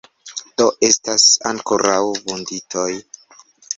Do, estas ankoraŭ vunditoj.